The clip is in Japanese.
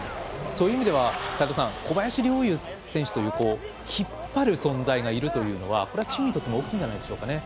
そういう意味では小林陵侑選手という引っ張る存在がいるというのはこれはチームにとっても大きいんじゃないでしょうか。